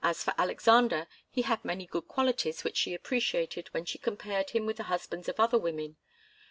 As for Alexander, he had many good qualities which she appreciated when she compared him with the husbands of other women.